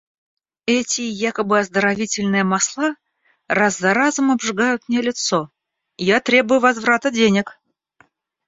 Эти якобы оздоровительные масла раз за разом обжигают мне лицо. Я требую возврата денег!